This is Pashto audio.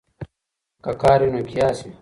که کار وي نو قیاس وي.